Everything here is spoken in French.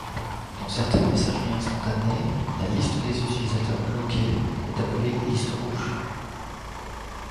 Dans certaines messageries instantanées, la liste des utilisateurs bloqués est appelée liste rouge.